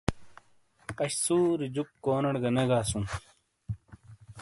اش سُوری جُوک کونیڑے گہ نے گاسوں۔